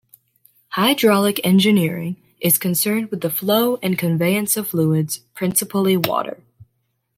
"Hydraulic engineering" is concerned with the flow and conveyance of fluids, principally water.